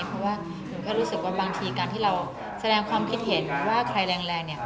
เพราะว่าหนูแค่รู้สึกว่าบางทีการที่เราแสดงความคิดเห็นว่าใครแรงเนี่ย